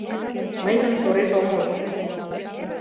Мый гын тореш омыл.